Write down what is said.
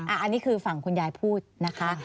อันนี้คือฝั่งคุณยายพูดนะคะ